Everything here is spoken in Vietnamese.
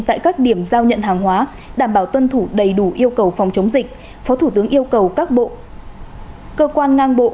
tại các điểm giao nhận hàng hóa đảm bảo tuân thủ đầy đủ yêu cầu phòng chống dịch phó thủ tướng yêu cầu các bộ cơ quan ngang bộ